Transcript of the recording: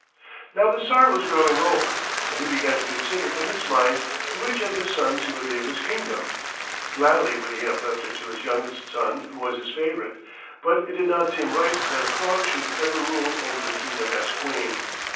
Now the Tsar was growing old, and he began to consider in his mind to which of his sons he would leave his kingdom. Gladly would he have left it to his youngest son, who was his favorite, but it did not seem right that a frog should ever rule over the kingdom as Queen.